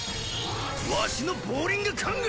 わしのボーリング・コング！